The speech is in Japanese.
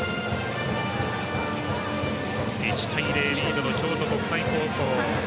１対０、リードの京都国際高校。